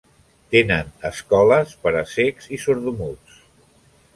Tenen escoles per a cecs i sordmuts.